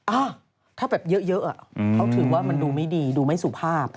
อ้าวถ้าแบบเยอะเขาถือว่ามันดูไม่ดีดูไม่สุภาพ